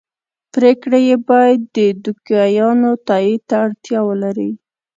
پرېکړې یې باید د دوکیانو تایید ته اړتیا ولري.